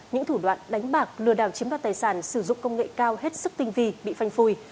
những thủ đoạn đánh bạc lừa đảo chiếm đoạt tài sản sử dụng công nghệ cao hết sức tinh vi bị phanh phui